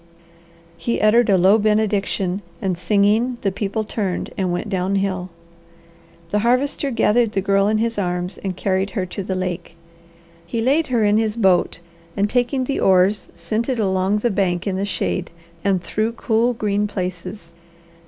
He uttered a low benediction, and singing, the people turned and went downhill. The Harvester gathered the Girl in his arms and carried her to the lake. He laid her in his boat and taking the oars sent it along the bank in the shade, and through cool, green places.